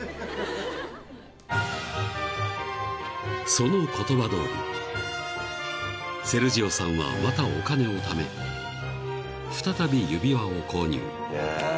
［その言葉どおりセルジオさんはまたお金をため再び指輪を購入］